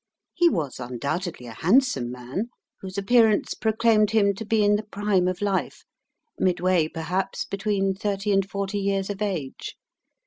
He was undoubtedly a handsome man, whose appearance proclaimed him to be in the prime of life, midway, perhaps, between thirty and forty years of age.